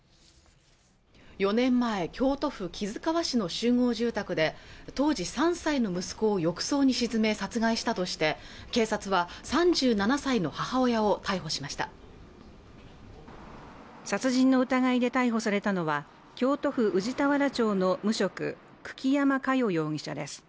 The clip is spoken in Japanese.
４年前京都府木津川市の集合住宅で当時３歳の息子を浴槽に沈め殺害したとして警察は３７歳の母親を逮捕しました殺人の疑いで逮捕されたのは京都府宇治田原町の無職、久木山佳代容疑者です